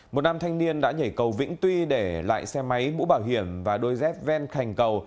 một nam thanh niên đã nhảy cầu vĩnh tuy để lại xe máy mũ bảo hiểm và đôi dép ven khành cầu